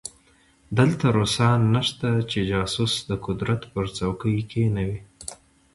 دلته روسان نشته چې جاسوس د قدرت پر څوکۍ کېنوي.